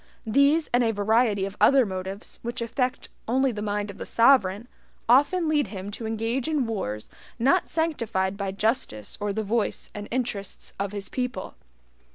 These and a variety of other motives, which affect only the mind of the sovereign, often lead him to engage in wars not sanctified by justice or the voice and interests of his people.